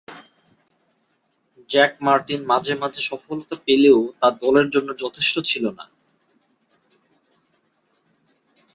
Jack Martin মাঝে-মধ্যে সফলতা পেলেও তা দলের জন্য যথেষ্ট ছিল না।